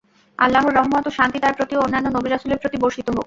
আল্লাহর রহমত ও শান্তি তাঁর প্রতি ও অন্যান্য নবী-রাসূলের প্রতি বর্ষিত হোক!